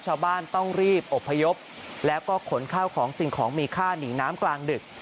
ชาวบ้านต้องรีบอบพยพแล้วก็ขนข้าวของสิ่งของมีค่าหนีน้ำกลางดึก